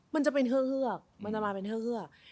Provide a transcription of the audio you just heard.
มันจะเป็นเหื้อก